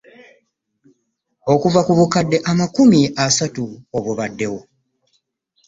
Okuva ku bukadde amakumi asatu obubaddewo.